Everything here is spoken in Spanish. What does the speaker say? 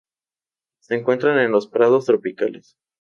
Se encuentra en los prados tropicales.